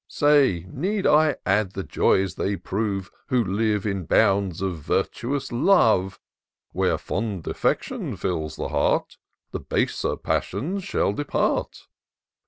Say, need I add the joys they prove. Who live in bounds of virtuous love ? Where fond affection fiUs the heart. The baser passions shall depart.